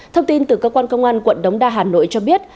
thông tin từ cơ quan công an quận đống đa hà nội cho biết